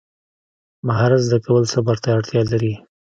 مهارت زده کول صبر ته اړتیا لري.